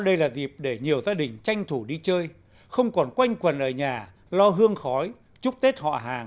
do đó đây là dịp để nhiều gia đình tranh thủ đi chơi không còn quanh quần ở nhà lo hương khói chúc tết họ hàng hàng xóm láng giềng